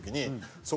そこ